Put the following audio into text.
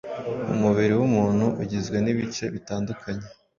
Umubiri w’umuntu ugizwe n’ibice bitandukanye